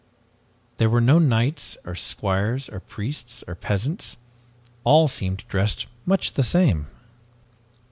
There were no knights or squires, or priests or peasants. All seemed dressed much the same.